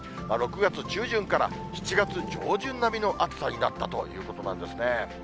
６月中旬から７月上旬並みの暑さになったということなんですね。